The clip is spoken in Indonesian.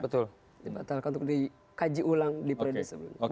betul dibatalkan untuk dikaji ulang di periode sebelumnya